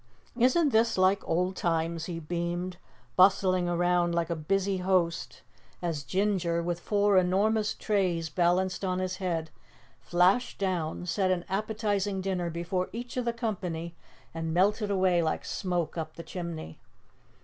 "Isn't this like old times?" he beamed, bustling around like a busy host as Ginger, with four enormous trays balanced on his head, flashed down, set an appetizing dinner before each of the company and melted away like smoke up the chimney.